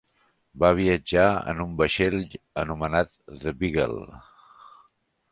Va viatjar en un vaixell anomenat The Beagle.